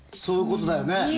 そういうことだよね。